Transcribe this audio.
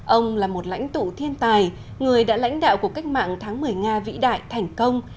ông là một lãnh tụ thiên tài người đã lãnh đạo của cách mạng tháng một mươi nga vĩ đại thành công